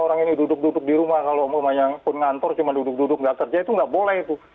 tujuh puluh lima orang ini duduk duduk di rumah kalau umumnya pun ngantor cuma duduk duduk nggak kerja itu nggak boleh